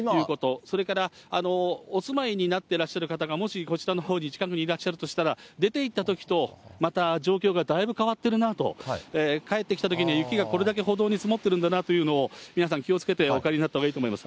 それからお住まいになってらっしゃる方がもし、こちらのほうに近くにいらっしゃるとしたら、出ていったときと、また状況がだいぶ変わっているなあと、帰ってきたときに雪がこれだけ歩道に積もってるんだなということを、皆さん、気をつけてお帰りになったほうがいいと思います。